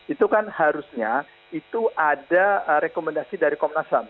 itu kan harusnya itu ada rekomendasi dari komnasam